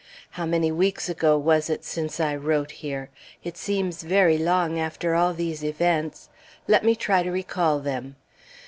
How many weeks ago was it since I wrote here? It seems very long after all these events; let me try to recall them.